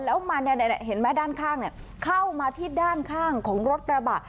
แล้วมันเห็นไหมด้านข้างเข้ามาที่ด้านข้างของรถกระบะ